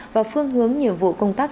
và phương hướng nhiệm vụ của bộ công an